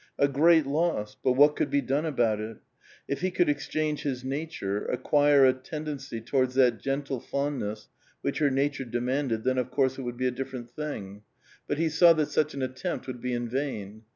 A great loss ; but what could be done about it? If be could exchange his nature, acquire a tendency towards that gentle fondness which her nature demanded, then of course it would be a different thing. But 244 A VITAL QUESTION. he saw that such an attempt would be in vain.